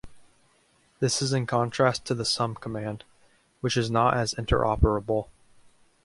This is in contrast to the sum command, which is not as interoperable.